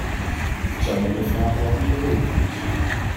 Ik zou u willen vragen wat hier de reden van is?